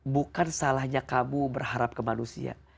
bukan salahnya kamu berharap ke manusia